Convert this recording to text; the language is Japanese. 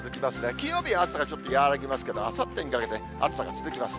金曜日は暑さがちょっと和らぎますけど、あさってにかけて暑さが続きます。